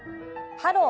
「ハロー！